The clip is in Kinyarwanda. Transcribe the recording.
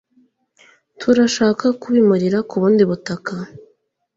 Turashaka kubimurira ku bundi butaka